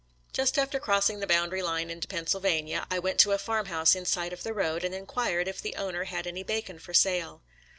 Just after crossing the boundary line into Pennsylvania, I went to a farmhouse in sight of the road and inquired if the owner had any bacon for sale.